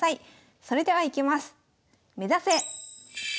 それではいきます。